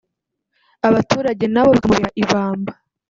abaturage nabo bakamubera ibamba